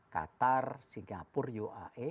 qatar singapura uae